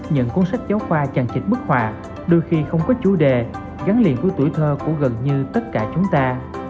những cuốn sách giấu khoa chằn chịch bức họa đôi khi không có chủ đề gắn liền với tuổi thơ của gần như tất cả chúng ta